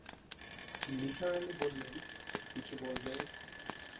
নিসার আলি বললেন, কিছু বলবে?